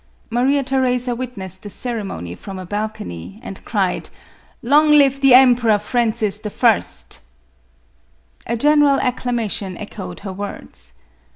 Maria Theresa witnessed the ceremony from a balcony, and cried —" Long live the Emperor Francis L 1" A general ac clamation echoed her words.